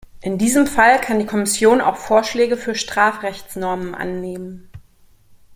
In diesem Fall kann die Kommission auch Vorschläge für Strafrechtsnormen annehmen.